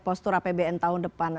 postur apbn tahun depan